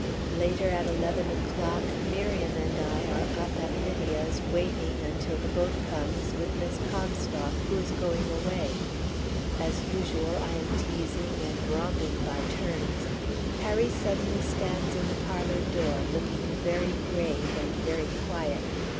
Later, at eleven o'clock, Miriam and I are up at Lydia's waiting (until the boat comes) with Miss Comstock who is going away. As usual, I am teasing and romping by turns. Harry suddenly stands in the parlor door, looking very grave, and very quiet.